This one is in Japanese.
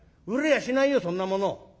売れやしないよそんなもの。